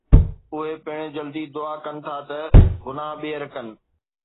اهي پڻ جلدي دعا ڪن ٿا ته گناهه ٻيهر ڪن